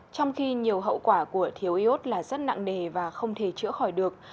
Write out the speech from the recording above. trong khi nhiều hậu quả của thiếu y ốt là rất nặng nề và không thể chữa khỏi được